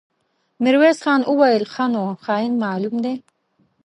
ميرويس خان وويل: ښه نو، خاين معلوم دی.